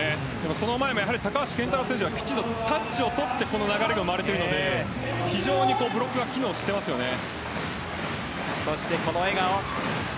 その前も高橋健太郎選手がきちっとタッチを取ってこの流れが生まれているので非常にそして、この笑顔。